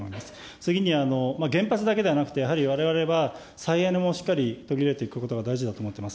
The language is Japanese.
次に原発だけではなくて、やはりわれわれは再エネもしっかり取り入れていくことが大事だと思います。